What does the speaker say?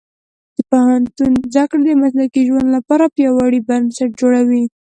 د پوهنتون زده کړې د مسلکي ژوند لپاره پیاوړي بنسټ جوړوي.